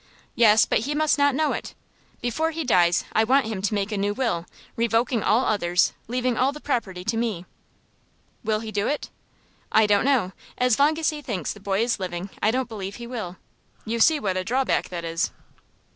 "Yes; but he must not know it. Before he dies I want him to make a new will, revoking all others, leaving all the property to me." "Will he do it?" "I don't know. As long as he thinks the boy is living, I don't believe he will. You see what a drawback that is."